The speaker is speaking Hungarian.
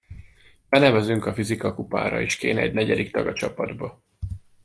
Benevezünk a Fizika Kupára, és kéne egy negyedik tag a csapatba.